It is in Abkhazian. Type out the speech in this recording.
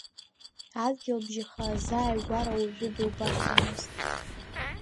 Адгьылбжьаха азааигәара уаҩы дубарҭамызт.